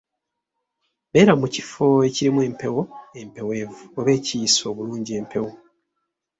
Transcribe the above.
Beera mu kifo ekirimu empewo empeweevu oba ekiyisa obulungi empewo